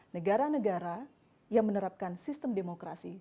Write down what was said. negara negara yang menerapkan sistem demokrasi